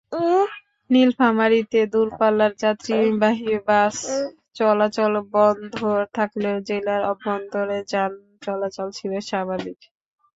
নীলফামারীতে দূরপাল্লার যাত্রীবাহী বাস চলাচল বন্ধ থাকলেও জেলার অভ্যন্তরে যান চলাচল ছিল স্বাভাবিক।